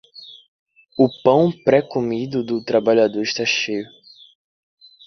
O pão pré-comido do trabalhador está cheio.